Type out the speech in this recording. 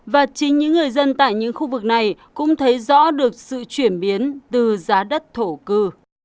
và chính những người dân tại những khu vực này cũng thấy rõ được sự chuyển biến từ giá đất thổ cư